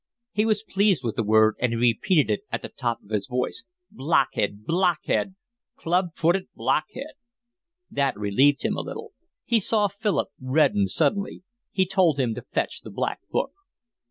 He was pleased with the word, and he repeated it at the top of his voice. "Blockhead! Blockhead! Club footed blockhead!" That relieved him a little. He saw Philip redden suddenly. He told him to fetch the Black Book.